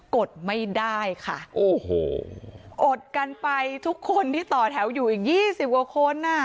กดไม่ได้ค่ะโอ้โหอดกันไปทุกคนที่ต่อแถวอยู่อีกยี่สิบกว่าคนอ่ะ